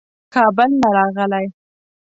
کابل نه راغلی.